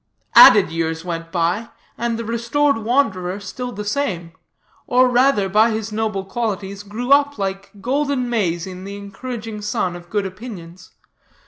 "Added years went by, and the restored wanderer still the same; or rather, by his noble qualities, grew up like golden maize in the encouraging sun of good opinions.